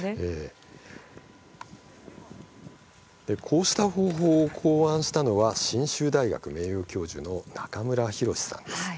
こうした方法を考案したのは信州大学名誉教授の中村浩志さんです。